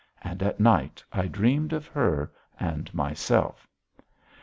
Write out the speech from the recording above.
And at night I dreamed of her and myself.